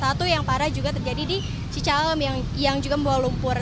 satu yang parah juga terjadi di cicahem yang juga membawa lumpur